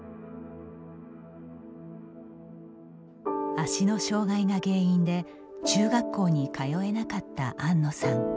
足の障害が原因で中学校に通えなかった安野さん。